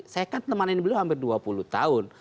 saya kan temanin beliau hampir dua puluh tahun